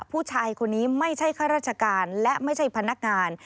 ผู้ชายคนนี้ไม่ใช่ข้าราชการและไม่ใช่พนักงาน